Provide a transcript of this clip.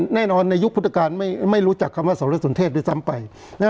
แน่นอนในยุคพุทธการไม่รู้จักคำว่าสรสุนเทศด้วยซ้ำไป